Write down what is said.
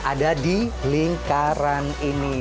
ada di lingkaran ini